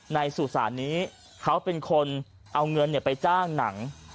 สุสานนี้เขาเป็นคนเอาเงินไปจ้างหนัง